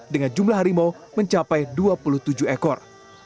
dengan jumlah harimau mencapai dua puluh tujuh ekor